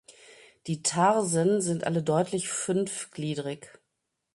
Die Tarsen sind alle deutlich fünfgliedrig.